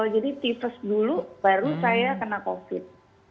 jadi tifus dulu baru saya kena covid